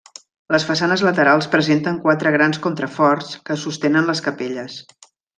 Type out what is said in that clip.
Les façanes laterals presenten quatre grans contraforts que sostenen les capelles.